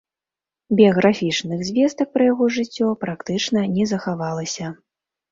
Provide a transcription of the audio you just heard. Біяграфічных звестак пра яго жыццё практычна не захавалася.